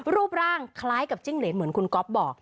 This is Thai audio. รูปร่างคล้ายกับจิ้งเหรนเหมือนคุณก๊อฟบอก